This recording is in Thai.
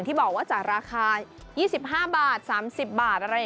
ที่บอกว่าจากราคา๒๕บาท